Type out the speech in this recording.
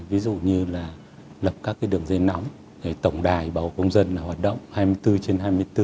ví dụ như là lập các đường dây nóng tổng đài bảo hộ công dân hoạt động hai mươi bốn trên hai mươi bốn